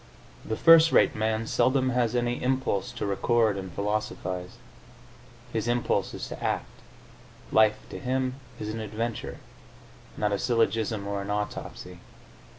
The first rate man seldom has any impulse to record and philosophise; his impulse is to act; life, to him, is an adventure, not a syllogism or an autopsy.